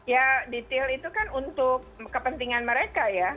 ya detail itu kan untuk kepentingan mereka ya